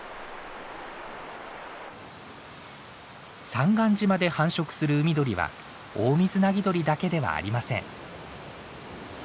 三貫島で繁殖する海鳥はオオミズナギドリだけではありません。